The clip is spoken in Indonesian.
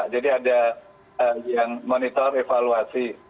jadi ada yang monitor evaluasi